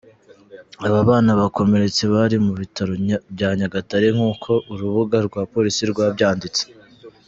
Aba bana bakomeretse bari mu bitaro bya Nyagatare nk’uko urubuga rwa polisi rwabyanditse.